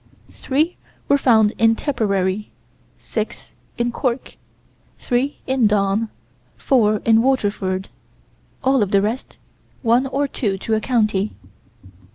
Three were found in Tipperary; six in Cork; three in Down; four in Waterford; all the rest one or two to a county.